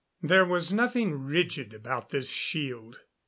There was nothing rigid about this shield.